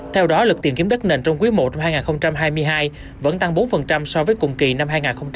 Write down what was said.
theo đó lực tìm kiếm đất nền trong quý i năm hai nghìn hai mươi hai vẫn tăng bốn so với cùng kỳ năm hai nghìn hai mươi hai